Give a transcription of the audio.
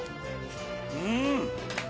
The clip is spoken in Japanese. うん！